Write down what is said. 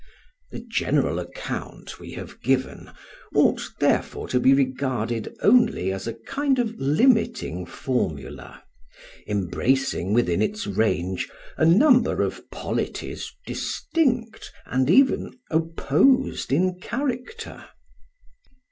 The general account we have given ought therefore to be regarded only as a kind of limiting formula, embracing within its range a number of polities distinct and even opposed in character.